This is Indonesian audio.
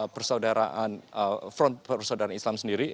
persaudaraan front persaudaraan islam sendiri